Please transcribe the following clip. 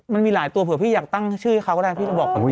มันมีหลายตัวแต่อยากตั้งชื่อเขาก็ได้